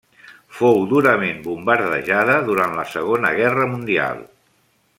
Fou durament bombardejada durant la Segona Guerra Mundial.